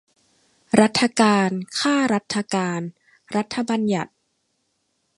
รัฐการ ข้ารัฐการ รัฐบัญญัติ